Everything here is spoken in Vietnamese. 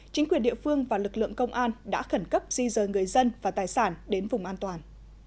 chính quyền địa phương và lực lượng công an đã khẩn cấp di rời người dân và tài sản đến vùng an toàn